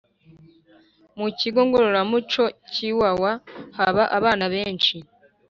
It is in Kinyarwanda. mu kigo ngororamuco cyiwawa haba abana benshi